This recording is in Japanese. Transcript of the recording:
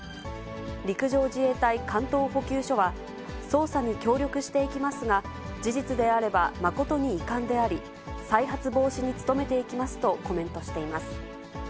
陸上自衛隊関東補給処は、捜査に協力していきますが、事実であれば、誠に遺憾であり、再発防止に努めていきますとコメントしています。